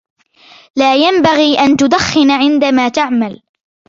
لا ينبغي أن تدخن عندما تعمل.